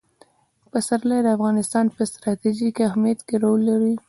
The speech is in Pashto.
پسرلی د افغانستان په ستراتیژیک اهمیت کې رول لري.